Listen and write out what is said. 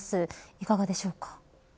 いかがでしょうか。